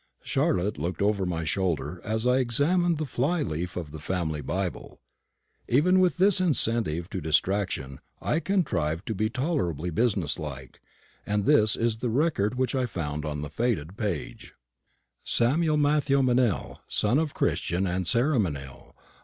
Charlotte looked over my shoulder as I examined the fly leaf of the family Bible. Even with this incentive to distraction I contrived to be tolerably business like; and this is the record which I found on the faded page: "Samuel Matthew Meynell, son of Christian and Sarah Meynell, b.